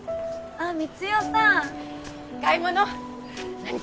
あっ光代さん。